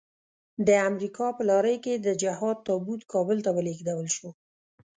د امريکا په لارۍ کې د جهاد تابوت کابل ته ولېږدول شو.